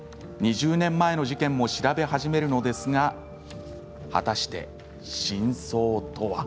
２０年前の事件も調べ始めるのですが果たして真相とは？